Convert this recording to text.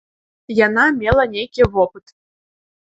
Яна мела нейкі вопыт.